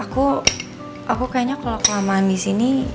aku aku kayaknya kalau kelamaan di sini